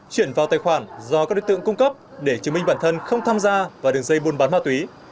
chuyển vào tài khoản do các đối tượng cung cấp để chứng minh bản thân không tham gia vào đường dây buôn bán ma túy